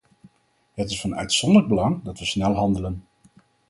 Het is van uitzonderlijk belang dat we snel handelen.